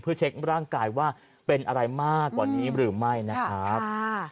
เพื่อเช็คร่างกายว่าเป็นอะไรมากกว่านี้หรือไม่นะครับ